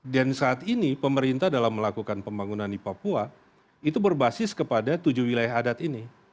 dan saat ini pemerintah dalam melakukan pembangunan di papua itu berbasis kepada tujuh wilayah adat ini